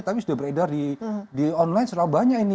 tapi sudah beredar di online serabahnya ini